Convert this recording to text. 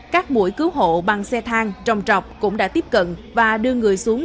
các mũi cứu hộ bằng xe thang trồng trọc cũng đã tiếp cận và đưa người xuống